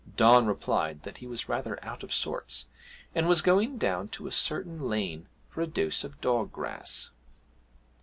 Don replied that he was rather out of sorts, and was going down to a certain lane for a dose of dog grass.